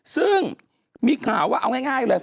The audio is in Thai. ซึ่งมีข่าวว่าเอาง่ายเลย